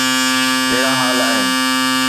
ڪهڙا حال آهن